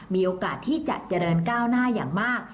มีโอกาสที่จะเจริญก้าวหน้าอย่างมาก